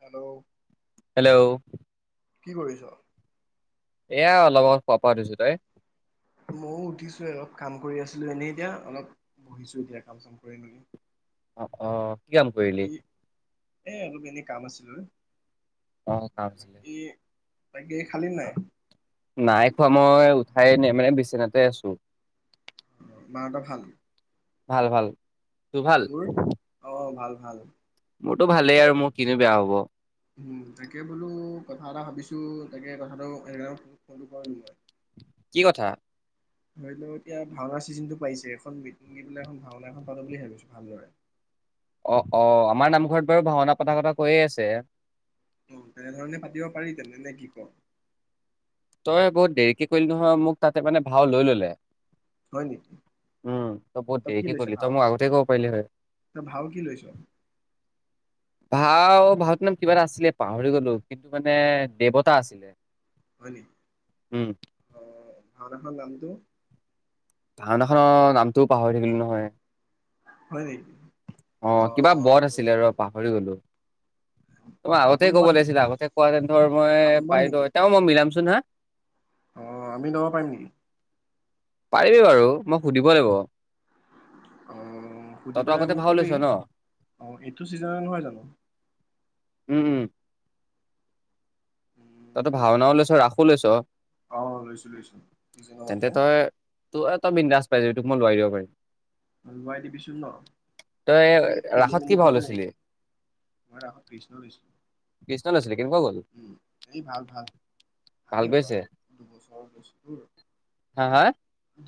Hello. Hello. কি কৰিছ? এয়া অলপ শুৱাপৰা ওঠিছো। তই? মও উঠিছোঁ অলপ কাম কৰি আছিলো এনেই এতিয়া অলপ। বহিছো এতিয়া কাম-চাম কৰি মেলি। অ', কি কাম কৰিলি? এই অলপ এনেই কাম আছিলো। অ কাম আছিলে। বাকী' তাকে, খালী নাই? নাই খোৱা মই উঠাই নাই মানে বিচনাতে আছোঁ। মাঁ হঁতৰ ভাল? ভাল-ভাল। তোৰ ভাল? অঁ', -ভাল-ভাল। মোৰতো ভালেই আৰু মোৰ কিনো বেয়া হ'ব। উমঁ, তাকে বোলো কথা এটা ভাবিছোঁ তাকে কথাটো এনেই ফোনটো কৰা নাই মই। কি কথা? ধৰি লও এতিয়া ভাওনাৰ চিজনটো পাইছে এখন মিটিং দি পেলাই এখন ভাওনা এখন পাতো বুলি ভাবিছোঁ ভালদৰে। অহ', -অহ', আমাৰ নামঘৰত বাৰু ভাওনা এখন পাতা কথা কৈয়ে আছে। অ', তেনেধৰণে পাতিব পাৰি, তেনে নে কি ক? তই বহুত দেৰিকে কৰিলি নহয় মোক তা'তে মানে ভাও লৈ ল'লে। হয় নেকি উমঁ, তই বহুত দেৰিকে কৰিলি তই মই আগতে ক'ব পাৰিলি হয়। এ' ভাও কি লৈছ? ভাও, ভাও তোমাৰ নাম কিবা এটা আছিলে পাহৰি গলোঁ কিন্তু মানে দেৱতা আছিলে। হয় নিকি। উম। অ' ভাওনাখনৰ নামটো? ভাওনাখনৰ নামটোও পাহৰি থাকিলো নহয়। হয় নেকি। অঁ', অ কিবা বধ আছিলে ৰ'- পাহৰি গলো। তই আগতে ৰাৱণ কব বধ নেকি লাগিছিলে আগতে কোৱা হেঁতেন ধৰ মই ৰাৱণ বধ পাৰিলো হয়। তেওঁ মই মিলামচোন হাঁ। অঁ', আমি লব পাৰিম নেকি। পাৰিবি বাৰু মই সুধিব লাগিব। অঁ', সুধি তইতো পেলাই আগতে মোক ভাও কবি, লৈছ ন অঁ', -এইটো চিজনৰ নহয় জানোঁ। উমঁ-উমঁ। তা'তো ভওনাও লৈছ ৰাসো লৈছ। অঁ', -লৈছো-লৈছো নিজ মতে। তোৰ এটা বিন্দাজ পাই যাবি তোক মই লোৱাই দিব পাৰিম। লোৱাই দিবিচোন বাৰু, তই আকৌ এই খেলি ৰাসত কি মেলি। ভাও লৈছিলি [unintelligible] মই ৰাসত কৃষ্ণ লৈছো। কৃষ্ণ লৈছিলি কেনেকুৱা গ'ল উম, এই ভাল ভাল। ভাল ভালেই হব গৈছে বাৰু দুবছৰ লৈছোতো,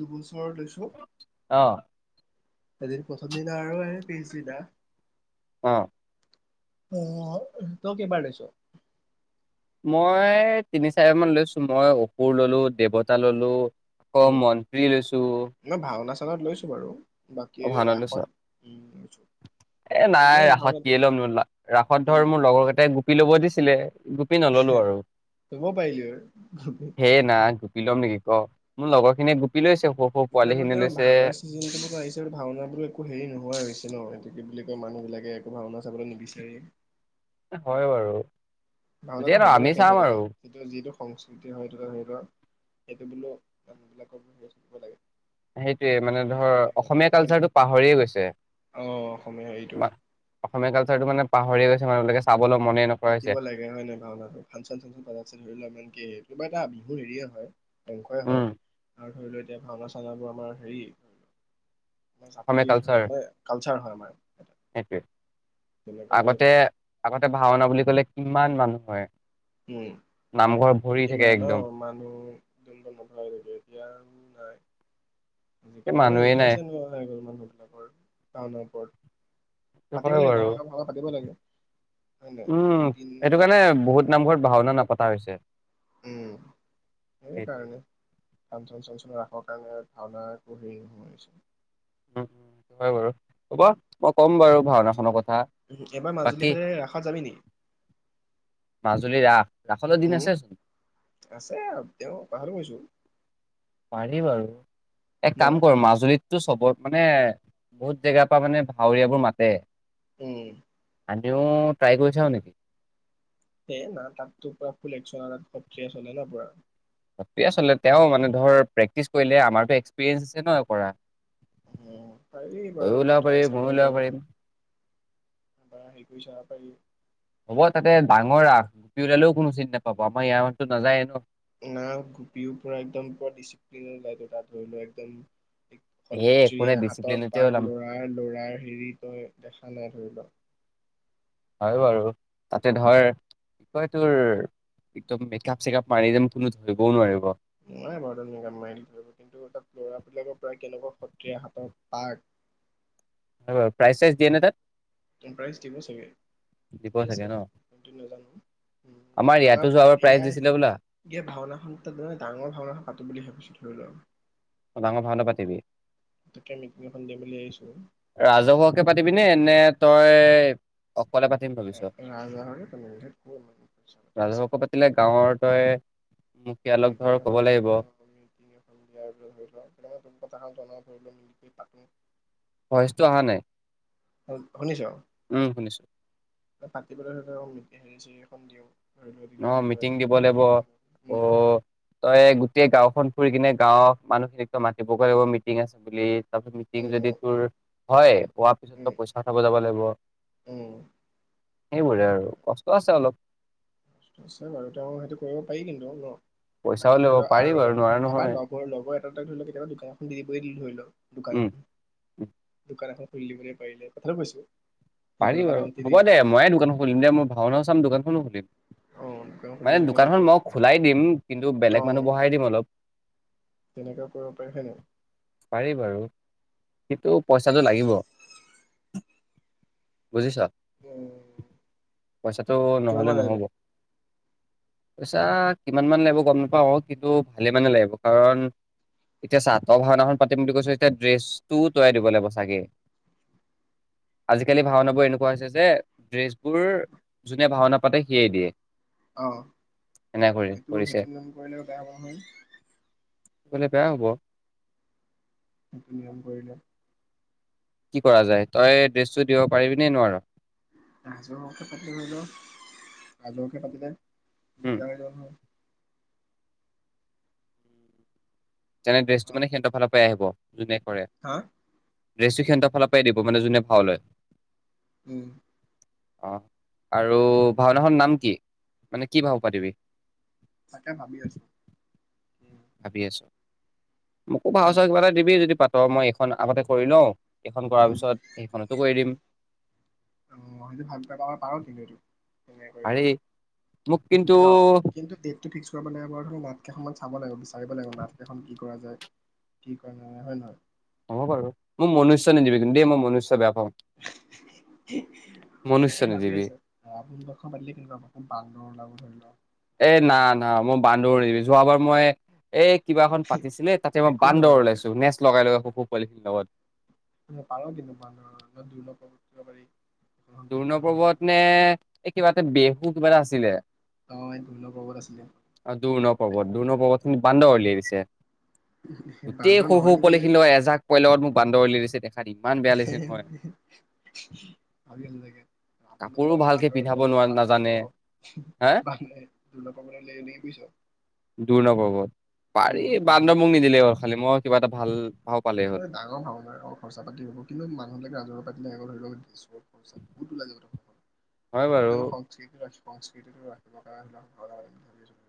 দুবছৰ লৈছোঁ অহ। এদিন প্ৰথম দিনা আৰু এ পিছদিনা। অ'। অ', তই কেইবাৰ লৈছো? মই তিনি চাৰি মান লৈছো, মই অশুৰ ললো দেৱতা ললো। অ', উম মন্ত্ৰী লৈছো। মই ভাওনা চাওনাত লৈছোঁ বাৰু অ বাকী ভাওনা লৈছ ৰাসত উম, লৈছোঁ। এ নাই ৰাসত কি ল'ম নু লৰা, ৰাসত উম ধৰ মোৰ লগৰ কেইটাই গোপি ল'ব দিছিলে গোপি নললো আৰু। লব পাৰিলিহৈ। নাই গোপি ল'ম নেকি ক, মোৰ লগৰ খিনিয়ে গোপি লৈছে সৰু সৰু এতিয়া পোৱালি আকৌ খিনি তেওঁৰ লৈছে। [unintelligible] আহিছে আৰু ভাওনাবোৰ একো হেৰি নোহোৱা হৈছে ন, সেটো কি বুলি কয় মানুহবিলাকে একো ভাওনা চাবলৈ নিবিচাৰে। হয় বাৰু। যিয়ে ভাওনাটো নহওক হ'ব আমি লাগে চাম সবতে, আৰু যিটো যিটো সংস্কৃতি হয়টো ধৰি লোৱা সেইটো বোলো মানুহবিলাকৰ [unintelligible] হব লাগে। সেইটোৱে মানে ধৰ সংস্কৃতি হয় তাৰ অসমীয়া হয় নহয় কালচাৰটো পাহৰিয়ে গৈছে। অ অসমীয়া হেৰিটো অসমীয়া কালচাৰটো মানে পাহৰি গৈছে, মানুহবিলাকে চাবলৈ মনেই নকৰা হৈছে। বেয়া হয় নে ভাওনাটো ফাংচন চাংচন [unintelligible] ধৰি লোৱা ইমান কি কিবা এটা বিহু হেৰিয়ে হয়। অংশই হয় উম আৰু ধৰি লোৱা এতিয়া ভাওনা চাওনাবোৰ আমাৰ হেৰি অসমীয়া জাতিৰ কালচাৰ [unintelligible] কালচাৰ হয় আমাৰ এটা, সেইটোৱে তেনেকুৱা টাইপ আগতে আগতে ভাওনা বুলি কলে কিমান মানুহ হয়। উম, নামঘৰ ভৰি থাকে কিমান একদম অ', মানুহ। [unintelligible] এতিয়া আৰু নাই। উম, এই কেনেকৈ ইমান মানুহেই নাই ইটাৰেষ্টে নোহোৱা হৈ গল মানুহবিলাকৰ ভাওনাৰ ওপৰত। সেইটো পাতিব হয় লাগে বাৰু ডাঙৰ ডাঙৰ ভাওনা পাতিব লাগে হয় নহয়? উম, সেইটো দুদিনীয়া কাৰণে তিনি বহুত দিনিয়া নামঘৰত ভাওনা নাপতা হৈছে। উম, সেই সেইটোৱে। কাৰণে। ফাঞ্চন চাঞ্চল ৰাসৰ কাৰণে ভাওনাটো হেৰি সময় হৈছে। উম, হয় বাৰু হ'ব, মই ক'ম বাৰু ভাওনাখনৰ কথা। উম, এইবাৰ মাজুলীৰ বাকী ফালে ৰাসত যাবি নি? মাজুলীৰ ৰাস, ৰাসলৈ দিন উম আছেচোন। আছে আৰু তেওঁ কথাটো কৈছোঁ। পাৰি বাৰু, এক ন কাম কৰ মাজুলীত টো সবত মানে বহুত জেগাৰ পৰা মানে ভাৱৰীয় বোৰ মাতে। উম। আমিও ট্ৰাই কৰি চাওঁ নি? সেই নাই, তাতটো পুৰা ফুল এক্সন এটাত প্ৰক্ৰিয়া চলে ন পুৰা। প্ৰক্ৰিয়া চলে, তেওঁ মানে ধৰ প্ৰেক্টিচ কৰিলে আমাৰতো এক্সপিৰিয়েঞ্চ আছে ন কৰা। উম, পাৰি তইও বাৰু ত ওলাব ট্ৰাই পাৰিবি চাই ময়ো মাৰি ওলাব চাব পাৰ। পাৰিম এটা হেৰি কৰি চাব পাৰি। হ'ব তাতে ডাঙৰ ৰাস গোপি ওলালেও কোনো চিনি নাপাব, আমাৰ ইয়াৰে মানুহটো নাযায়ে ন। না গোপিও পূৰা একদম পুৰা ডিচিপ্লিনত ওলাইগৈ তাত ধৰি লোৱা একদম এ একো নাই সত্ৰীয়া হাতৰ ডিচিপ্লিনতে পাক ওলাম লৰাৰ- লৰাৰ হেৰি তই দেখা নাই ধৰি ল' হয়', বাৰু তাতে ধৰ কি কয় তোৰ একদম মেকাপ-চেকাপ মাৰি যাম কোনো ধৰিবও নোৱাৰিব। নোৱাৰে বাৰু মেকআপ মাৰি থাকিবলৈ কিন্তু তাত ল'ৰাবিলাকৰ প্ৰায় কেনেকুৱা সত্ৰীয়া হাতৰ পাক। প্ৰাইজ চাইজ দিয়ে নে তাত? প্ৰাইজ দিব চাগে, দিব দিয়ে ন চাগে, কিন্ত নাজানো। আমাৰ ইয়াতো যোৱাবাৰ প্ৰাইজ দিছিলে হ'বলা এ' ভাওনাখন তাত মানে ডাঙৰ ভাওনাখন পাতো বুলি ভাবিছো ধৰি লোৱা। ডাঙৰ ভাওনা পাতিবি তাকে মিটিং এখন দিম বুলি ভাবিছোঁ ৰাজহহোৱাকে পাতিবিনে নে তই অকলে পাতি ৰাজহুৱাকে পাতিম। ধেত এফালে গাঁৱৰ তই মুখীয়ালক মিটিং ধৰ এখন ক'ব লাগিব। অ' [unintelligible] ভৈইজটো অহা নাই। অ' শুনিছ? উম', শুনিছো। পাতিবলৈঁ ধৰ হেৰি চিৰি এখন দিওঁ। ধৰি লওক এইটো কি বুলি অ', কয় মিটিং দিব লাগিব উম, অ' তই গোটেই গাঁওখন ফুৰি কিনে গাঁওৰ মানুহখিনিক তই মাতিবগৈ লাগিব মিটিং আছে বুলি। তাৰপিছত মিটিং যদি উম, তোৰ হয়। হোৱাৰ পিছত উম, পইচা উঠাব যাব লাগিব। উম',। সেইবোৰে আৰু কষ্ট আছে অলপ। আছে বাৰু তেওঁ সেইটো কৰিব পাৰি কিন্তু ন', পইচাও বাকী ধৰি ল'ব লও পাৰি আৰু বাৰু নোৱাৰা নহয় কাৰোবাৰ ঘৰ লগৰ এটা এটা ধৰি লওক কেতিয়াবা দোকান এখন দিৰি কৰি দিলো ধৰি লওক দোকান উম এখন। দোকান এখন খুলি দিবলৈ পাৰিলে কথাটো কৈছো। পাৰি বাৰু, হ'ব দে ময়ে দোকখন খুলিম দে মই ভাওনাও চাম দোকানখনো খুলিম। দোকান মানে খুলিলে দোকানখন মই খোলাই দিম, কিন্তু বেলেগ মানুহ অ' বহাই দিম অলপ। তেনেকুৱা কৰিব পাৰি হয়ে নে? পাৰি বাৰু, কিন্তু পইচাযে লাগিব। বুজিছা উম পইচাটো কিমান নহলে মান লাগিব নহ'ব। পইচা কিমান মান লাগিব গম নাপাওঁ। অ' কিন্তু ভালে মানে লাগিব কাৰণ এতিয়া চা তই ভাওনাখন পাতিম বুলি কৈছ, এতিয়া ড্ৰেছটোও তৈয়াই দিব লাগিব চাগে। আজিকালি ভাওনাবোৰ এনেকুৱা হৈছে যে, ড্ৰেছবোৰ যোনে ভাওনা পাতে সিয়েই দিয়ে। অ', এনে কৰি সেইটো- কৰিছে সেইটো লোন কৰিলেও বেয়া হ'ব নহয়। বেয়া হ'ব। সেইটো নিয়ম কৰিলে কি কৰা যায় তই ড্ৰেছটো দিব পাৰিবি নে নোৱাৰ? ৰজহুয়াকে পাটি ধৰি ল', ৰাজহুয়াকে পাতিলে উম ইণ্টাৰনেত হক যেনে অ ড্ৰেছটো মানে সিহঁৰ ফালৰ পৰাই আহিব যোনে কৰে। হা ড্ৰেছটো সিহঁতৰ ফালৰ পৰাই দিব মানে যোনে ভাও লয়। উম',। অ', আৰু ভাওনাখনৰ নাম কি? মানে কি ভাও পাতিবি? তাকে ভাবি আছো। ভাবি আছো, মোকো ভও উম চাও কিবা এটা দিবি যদি পাত মই এইখন আগতে কৰি লও। এইখন কৰাৰ উম, পিছত সেইখনতো কৰি দিম। অ সেইটো ভাব ব পাব পাৰ কিন্তু এইটো তেনেকে কৰিব পাৰি মোক কিন্তু ন কিন্তু ডেটটো ফিক্স কৰিব লাগে বাৰু ধৰক নাটকেইখনমান চাব লাগিব বিচাৰিব লাগিব নাাটকেইখন কি কৰা যায়। কি কৰা হয় নহয় হ'ব বাৰু মোক মনুষ্য নিদিবি কিন্তু দেই মই মনুষ্য বেয়া পাও। মনুষ্য তাকে ভাবি নিদিবি আছ? আপুনি [unintelligible] খন পাতিলে কেনেকুৱা হব [unintelligible] ওলাব ধৰি ল এ না না মই বান্দৰ নি যোৱাবাৰ মই এই কিবা এখন পাতিছিলে তাতে মই একো বান্দৰ নহয় ওলাইছো নেচ লগাই লগাই সৰু সৰু পোৱালি খিনিৰ লগত পাৰ কিন্তু বান্দৰ [unintelligible] পাৰি এখন বহুত দৰ্ণ ডাঙৰ ভাওনা পৰ্বত নে এই কিবা এটা বেহু কিবা এটা আছিলে অ এইটোৱে দুৰ্ণ পৰ্বত আছিলে অ দোৰ্ণ পৰ্বত দোৰ্ণ পৰ্বত খিনি বান্দৰ উলিয়াই দিছে গোটেই বান্দৰ সৰু নহয় সৰু নেকি এইটো পোৱালিখিনি লয় এজাক পোৱালি লগত মোক বান্দৰলি দিছে দেখ [unintelligible] আপুনি কথা মানে কাপোৰো ভালকে পিন্ধাব বান্দৰ নোৱাৰ নাজানে এলাব হা হওক বান্দৰ [unintelligible] দূৰণ ভৱত পাৰি উম আপুনি বান্দৰ মোক নিদিলে হ'ল খালি মই কিবা এটা ভাল ভাও পালেই হ'ল এইখন ডাঙৰ ভওনাই অলপ খৰচ পাতি হ'ব কিন্তু মানুহবিলাকে ৰাজহুৱা পাতিলে ধৰি লক দিছ বহুত ওলাই হয় বাৰু। যাব [unintelligible] সংসৃতি সংস্কৃতি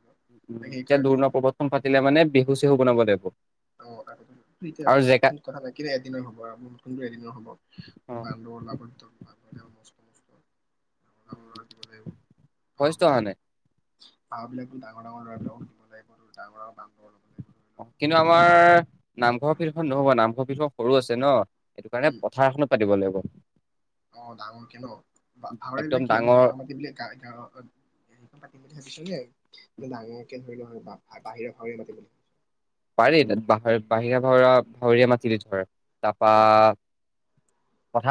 [unintelligible] উম এতিয়া সেইকাৰণেহে দূৰ্ণ পৰ্বতখন পাতিলে মানে বেহু চেহু বনাব লাগিব [unintelligible] আৰু জেগা বান্দৰৰ ওলাব একদম অ'। [unintelligible] আৰু মস্ত মস্ত ভইচটো অহা নাই [unintelligible] ভাওবিলাকো ডাঙৰ ডাঙৰ ল'ৰাবিলাক দিব লাগিব ডাঙৰ [unintelligible] লওক কিন্তু আমাৰ নামঘৰ ফিলখন নহব নামঘৰ ফিলখন সৰু আছে ন সেইটো কাৰণে উম পথাৰ এখনত পাতিব লাগিব অ ডাঙৰ কে ন আমাৰ একদম এইবিলাক কি আমাৰ ডাঙৰ গাঁৱৰ মাটি বিলাকা গাৱ [unintelligible] [unintelligible] ডাঙৰকে ধৰি লোৱা আৰু বাহিৰৰ ভাৱৰে পাতিম বুলি ভাবিছ পাৰি বাহ বাহিৰা ভওৰা ভাৱৰীয়া মাতিলি ধৰে তাপা উম,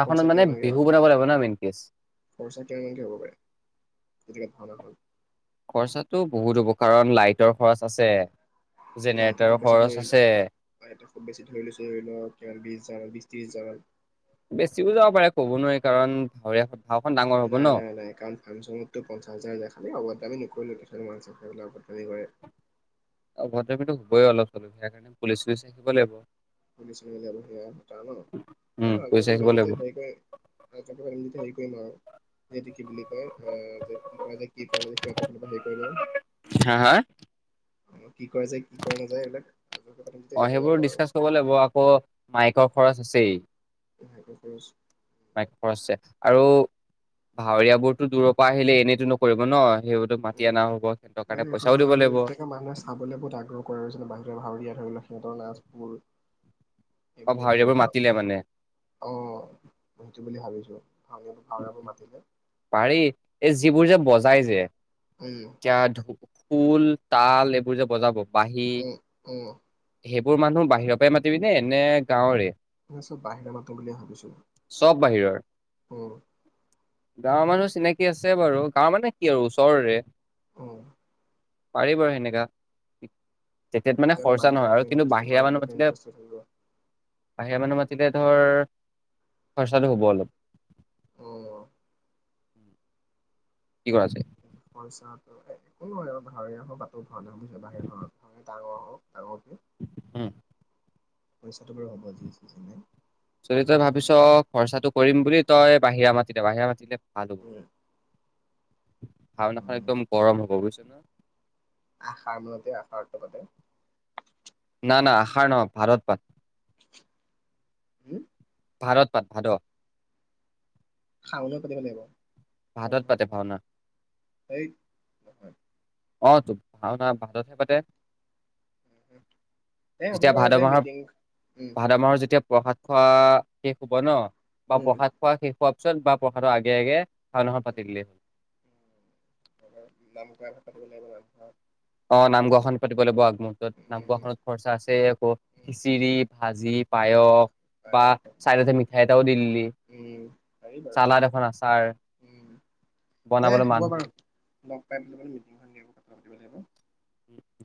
খৰচা কিমানক লাগিব ন মেইন কেচ। [unintelligible] খৰচা কিমানমানকৈ হ'ব পাৰে গতিকে ভাওনা খন খৰচটো বহুত হ'ব কাৰণ লাইটৰ খৰচ আছে যেনে লাইটৰ খুব বেছি ধৰি খুব বেছি ধৰি লৈছো ধৰি লওক হাজাৰ বিশ ত্ৰিশ হাজাৰ বেছিও যাব পাৰে ক'ব নোৱাৰি কাৰণ ভইৰিয়া ভাওখন ডাঙৰ হ'ব ন [unintelligible] কাৰণ ফানচঙত ত পঞ্চাছ হাজাৰ যায় খালি [unintelligible] অভদ্ৰামিতো হবই অলপ চলপ সেইয়া কাৰণে পুলিচ চুলিচ থাকিব লাগিব উম পুলিচ ৰাখিব লাগিব [unintelligible] [unintelligible] হেৰি কৰিম বাও এইটো কি বুলি কয় যে কি কৰা যে কি কৰা [unintelligible] হা হা অ কি কৰা যায় কি কৰা নাযায় এইবিলাক ৰাজকে পাতিম তেতিয়া হেৰি অ কৰা যাব সেইবোৰ আৰু ডিচকাচ কৰিব লাগিব আকৌ মাইকৰ খৰচ আছেই। [unintelligible] মাইক খৰচ আছে আৰু ভাৱৰীয়া বোৰতো দূৰৰ পৰা আহিলে এনেইতো নকৰিব ন সি হঁতক মাতি উম, অনা হ'ব সিহঁতৰ মানে কাৰণে এখন পইচাও ভাওনা দিব হলে লাগিব। বিশেষকে মানুহে চাবলৈ বহুত আগ্ৰহ কৰা হৈছিলে বাহিৰৰ ভাৰিয়া ধৰি লও সিহঁতৰ নাথ বোৰ অ এইবোৰ ধৰি ভাৱৰীয়াবোৰ লওক মাতিলে মানে আহ সেইটো বুলি ভাবিছো ভাও ভাওৰাবোৰ মাতিলে পাৰি এই যিবোৰ যে বজাই যে উম এতিয়া খোল তাল এইবোৰ যে বজাব বাঁহী উম উম সেইবোৰ মানুহ বাহিৰৰ পৰাই মাতিবি নে নে গাঁৱৰে? মই চব বাহিৰৰ মাতো বুলি ভাবিছো, চব বাহিৰৰ উম। গাঁৱৰ মানুহ চিনাকি আছে বাৰু গাঁৱ মানে কি আৰু ওচৰৰে। অঁ। পাৰি বাৰু সেনেকা তেতিয়াতো মানে তেতিয়াহ'লে খৰচা মানুহ নহয় বিলাকৰ আৰু কিন্তু ইণ্টাৰেষ্ট বাহিৰা মানুহ বিলাকৰ মাতিলে ইণ্টাৰেষ্ট থাকিব বাহিৰা মানুহ মাতিলে ধৰ খৰচাটো হ'ব অলপ। উম কি কৰা যায়? খৰচা একো নহয় আৰু ভাওৰিয়া হওক তাতো [unintelligible] বাহিৰৰে ডাঙৰ হওক আৰু কি উম পইচাটো বাৰু হ'ব যি আছে যি নাই যদি তই পাতৌ ভাবিছ বুলি ভাবিছো খৰচাটো কৰিম বুলি তই বাহিৰা মাতিলে বাহিৰা মাতিলে ভাল হব। উম ভাওনাখন উম একদম গৰম হ'ব বুজিছ নাই আশাৰ মূলতে আৰতটো পাতে না না আশাৰ নহয় ভাৰত পাত হোঁম? ভাদত পাত ভাদত। শাওনত পাতিব লাগিব। ভাদত পাতে ভাওনা। এই নহয়। অ তো ভাওঁনা ভাদতহে পাতে। দে হ'ব যেতিয়া বাৰু ভাদ দে মাহৰ মিটিং উম ভাদ মাহৰ যেতিয়া প্ৰসাদ খোৱা শেষ হব ন বা উম প্ৰসাদ খোৱা শেষ হোৱাৰ পিছত বা প্ৰসাদৰ আগে আগে হয় নহয় পাতিদিলে নাম গোৱাখন পাতিব লাগিব নামঘৰত অ নাম গোৱাখন পাতিব লাগিব আকৌ। য'ত উম নামঘোৱা খনত খৰচা আছে আকৌ উম খিচিৰি ভাজি পায়স বা গায়ক হয় চাইডতে মিঠাই এটাও দি দিলি উম পাৰি বাৰু চালাদ এখন আচাৰ উম দে বনাবলৈ হ'ব বাৰু মানুহ লগ পাই পেলাই মানে মিটিংখনত কথা পাতিব লাগিব।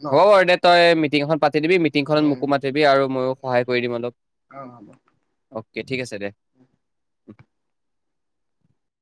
ন হ'ব বাৰু দে তই মিটিং এখন পাতি দিবি মি টিংখনত উম মোকো মাতিবি আৰু মইয়ো সহায় কৰি দিম অ হ'ব অলপ অ'কে ঠিক আছে দে।